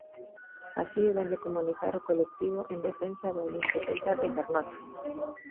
Así o vén de comunicar o colectivo en defensa do Olimpo Celta de Carnota.